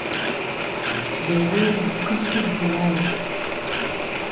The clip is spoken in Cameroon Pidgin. De way you quick quick deny eh.